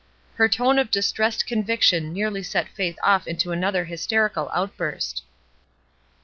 Her tone of distressed conviction nearly set Faith off into another hysterical outburst.